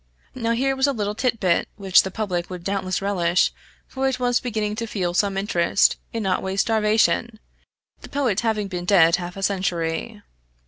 Now here was a little tit bit which the public would doubtless relish; for it was beginning to feel some interest in Otway's starvation, the poet having been dead half a century.